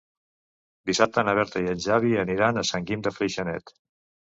Dissabte na Berta i en Xavi aniran a Sant Guim de Freixenet.